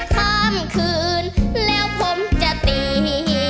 ข้ามคืนแล้วผมจะตีทะเบียน